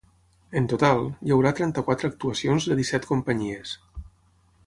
En total, hi haurà trenta-quatre actuacions de disset companyies.